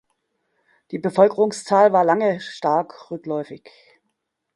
Die Bevölkerungszahl war lange stark rückläufig.